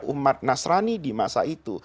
umat nasrani di masa itu